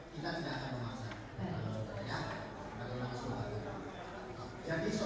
kita tidak akan memaksa